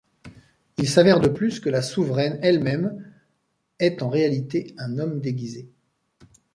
Il s'avère de plus que la souveraine elle-même est en réalité un homme déguisé.